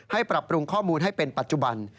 ปรับปรุงข้อมูลให้เป็นปัจจุบัน